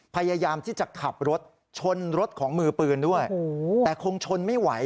พยายามที่จะขับรถชนรถของมือปืนด้วยแต่คงชนไม่ไหว